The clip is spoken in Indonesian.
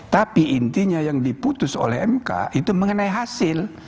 tapi intinya yang diputus oleh mk itu mengenai hasil